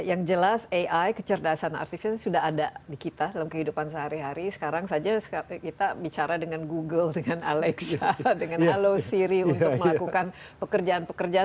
dan setelah ai kecerdasan artifisien sudah ada di kita dalam kehidupan sehari hari sekarang saja kita bicara dengan google dengan alexa dengan hello siri untuk melakukan pekerjaan pekerjaan